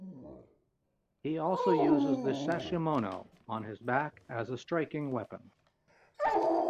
He also uses the sashimono on his back as a striking weapon.